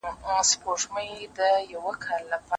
زه لا اوس روانېدمه د توپان استازی راغی